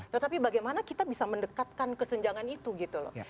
tetapi bagaimana kita bisa mendekatkan kesenjangan itu gitu loh